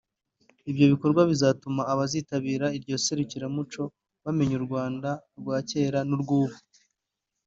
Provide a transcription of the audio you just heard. Ibyo bikorwa bizatuma abazitabira iryo serukiramuco bamenya u Rwanda rwa kera n’urw’ubu